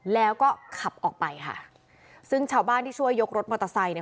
แล้วก็ขับออกไปค่ะซึ่งชาวบ้านที่ช่วยยกรถมอเตอร์ไซค์เนี่ย